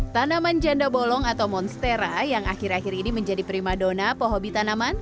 tanaman janda bolong atau monstera yang akhir akhir ini menjadi prima dona pohobi tanaman